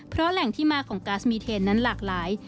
เพราะแหล่งที่มาของก๊าซมีเทนนั้นหลากหลาย